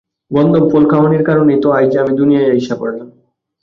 গন্ধম ফল খাওয়ানির কারণেই তো আইজ আমি দুনিয়ায় আইসা পড়লাম!